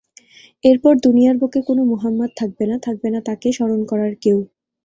এরপরে দুনিয়ার বুকে কোন মুহাম্মাদ থাকবে না, থাকবে না তাকে স্মরণ করার কেউ।